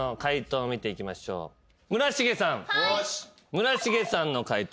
村重さんの解答